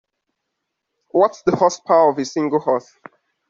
What's the horsepower of a single horse?